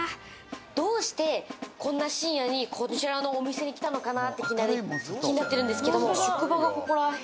どうしてこんな深夜にこちらのお店に来たのかなって、気になってるんですけれども、職場がここら辺？